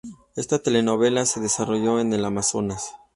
Esta telenovela se desarrolla en el Amazonas.